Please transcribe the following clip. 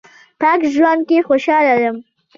پاک ژوند کې خوشاله یم